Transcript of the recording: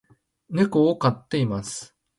猫を飼っています